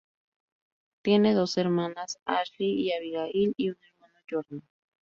Tiene dos hermanas, Ashley y Abigail, y un hermano, Jordan.